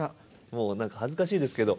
もう何か恥ずかしいですけど。